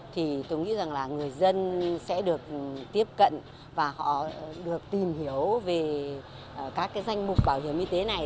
thì tôi nghĩ rằng là người dân sẽ được tiếp cận và họ được tìm hiểu về các cái danh mục bảo hiểm y tế này